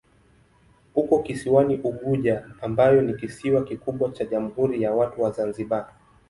Uko kisiwani Unguja ambayo ni kisiwa kikubwa cha Jamhuri ya Watu wa Zanzibar.